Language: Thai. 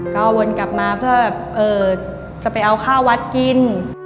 ก็วนกลับมาเพื่อแบบจะไปเอาข้าววัดกิน